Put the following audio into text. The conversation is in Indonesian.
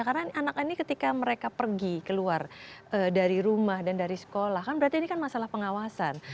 karena anak anak ini ketika mereka pergi keluar dari rumah dan dari sekolah kan berarti ini kan masalah pengawasan